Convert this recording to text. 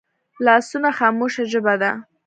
لاسونه خاموشه ژبه ده